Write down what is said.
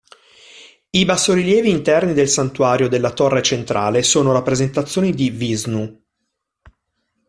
I bassorilievi interni del santuario della torre centrale sono rappresentazioni di Vishnu.